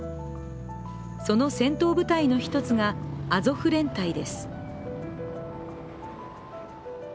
その戦闘部隊の一つがアゾフ連隊です。